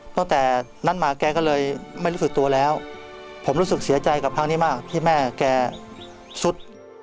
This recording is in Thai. ตั้งแต่นั้นมาแกก็เลยไม่รู้สึกตัวแล้วผมรู้สึกเสียใจกับครั้งนี้มากที่แม่แกสุด